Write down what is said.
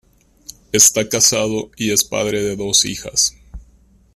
Está casado y es padre de dos hijas.